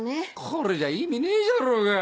これじゃ意味ねえじゃろうが。